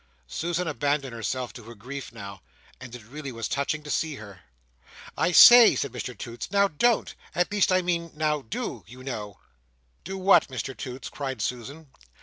Susan abandoned herself to her grief now, and it really was touching to see her. "I say," said Mr Toots, "now, don't! at least I mean now do, you know!" "Do what, Mr Toots!" cried Susan.